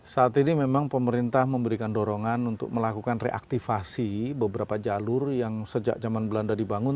saat ini memang pemerintah memberikan dorongan untuk melakukan reaktivasi beberapa jalur yang sejak zaman belanda dibangun